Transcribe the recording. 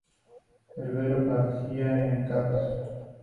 El velo parcial es en capas.